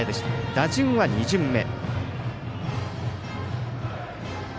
打順は２巡目。